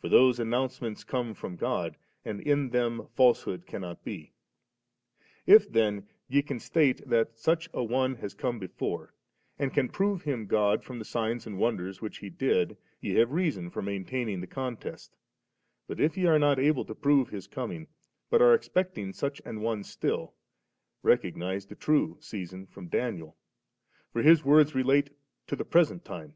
For those announcements come from God, and in them falsehood cannot he. If then ye can state that such a one has come before^ and can prove him God from the signs and wonders which he did, ye have reason for maintaining the contest, but if ye are not able to prove 'His coming, but are expecting such an one still, recognise the true season from Danid, t<x his words rdate to the present time.